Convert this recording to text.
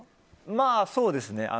まあ、そうですね。